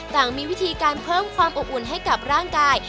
ต่างมีวิธีการเพิ่มความอบอุ่นให้กับร่างกาย